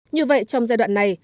như vậy trong giai đoạn này